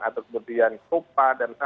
atau kemudian sopan